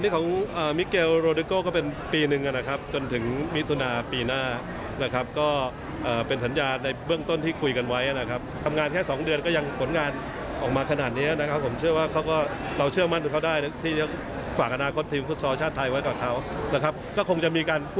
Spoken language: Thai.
การชิงแชมป์